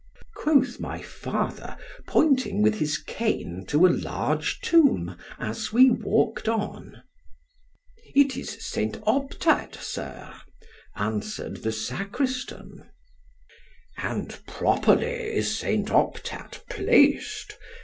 quoth my father, pointing with his cane to a large tomb as we walked on——It is Saint Optat, Sir, answered the sacristan——And properly is Saint Optat plac'd!